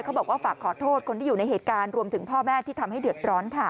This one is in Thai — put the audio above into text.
บอกว่าฝากขอโทษคนที่อยู่ในเหตุการณ์รวมถึงพ่อแม่ที่ทำให้เดือดร้อนค่ะ